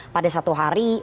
pada satu hari